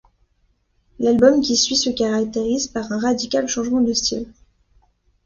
L'album qui suit se caractérise par un radical changement de style.